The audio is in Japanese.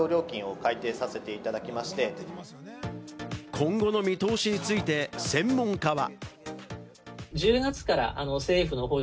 今後の見通しについて専門家は。